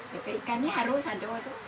tepek ikannya harus aduk